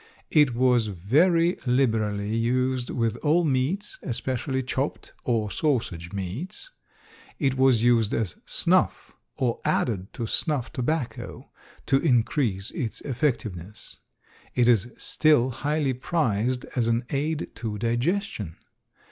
It was very liberally used with all meats, especially chopped or sausage meats. It was used as snuff or added to snuff tobacco to increase its effectiveness. It is still highly prized as an aid to digestion.